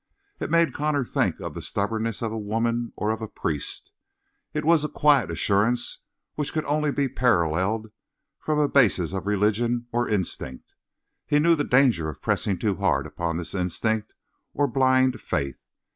It made Connor think of the stubbornness of a woman, or of a priest. It was a quiet assurance which could only be paralleled from a basis of religion or instinct. He knew the danger of pressing too hard upon this instinct or blind faith.